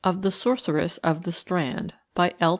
The Sorceress of the Strand. BY L.